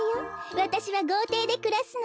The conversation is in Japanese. わたしはごうていでくらすの！